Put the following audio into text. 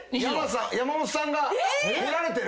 山本さんが来られてる。